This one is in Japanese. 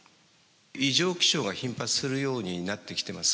異常気象が頻発するようになってきてます。